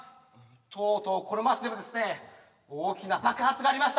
とうとうこの街でもですね大きな爆発がありました。